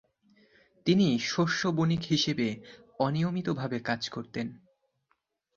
তিনি শস্য বণিক হিসেবে অনিয়মিতভাবে কাজ করতেন।